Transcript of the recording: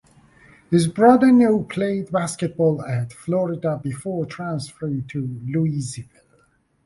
His brother Noah played basketball at Florida before transferring to Louisville.